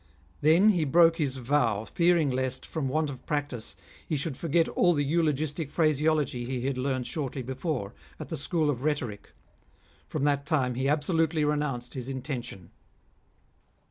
Then he broke his vow, fearing lest, from want of practice, he should forget all the eulogistic phraseology he had learnt shortly before, at the School of Ehetoric. From that time he absolutely renounced his intention.